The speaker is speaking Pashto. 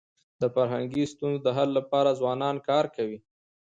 د فرهنګي ستونزو د حل لپاره ځوانان کار کوي.